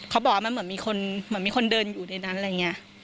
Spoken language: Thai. เขาบอกว่ามันเหมือนมีคนเหมือนมีคนเดินอยู่ในนั้นอะไรอย่างนี้